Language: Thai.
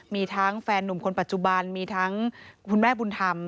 มีทั้งแฟนหนุ่มคนปัจจุบันมีทั้งคุณแม่บุญธรรม